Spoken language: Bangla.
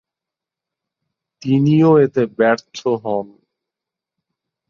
তিনিও এতে ব্যর্থ হন।